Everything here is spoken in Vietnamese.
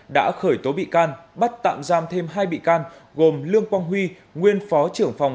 đã khởi tố bị can bắt tạm giam thêm hai bị can gồm lương quang huy nguyên phó trưởng phòng